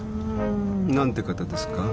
なんて方ですか？